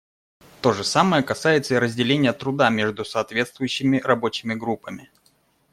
То же самое касается и разделения труда между соответствующими рабочими группами.